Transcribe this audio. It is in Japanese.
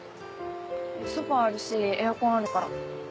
ソファあるしエアコンあるから。